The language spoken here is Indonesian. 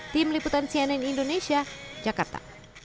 tim liputan cnn indonesia jakarta